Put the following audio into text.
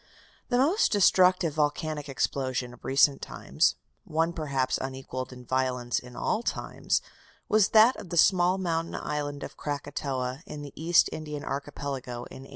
The most destructive volcanic explosion of recent times, one perhaps unequalled in violence in all times, was that of the small mountain island of Krakatoa, in the East Indian Archipelago, in 1883.